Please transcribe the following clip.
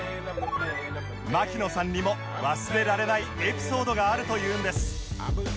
槙野さんにも忘れられないエピソードがあるというんです